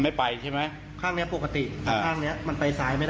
ถ้าลืมตาอย่างนี้ถ้าใกล้อย่างนี้ถึงจะเห็น